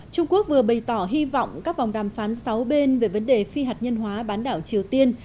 trung quốc vừa bày tỏ hy vọng các vòng đàm phán sáu bên về vấn đề phi hạt nhân hóa bán đảo triều tiên